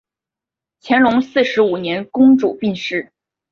乾隆四十五年公主病逝。